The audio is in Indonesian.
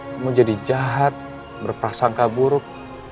kamu jadi jahat berprasangka buruk